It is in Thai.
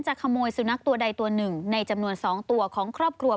ขโมยสุนัขตัวใดตัวหนึ่งในจำนวน๒ตัวของครอบครัว